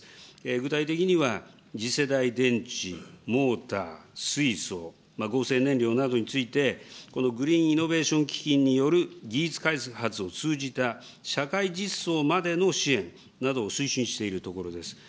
具体的には、次世代電池、モーター、水素、合成燃料などについて、このグリーンイノベーション基金による技術開発を通じた社会じっそうまでの支援などを推進しているところです。